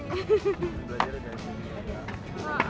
jadi belajar aja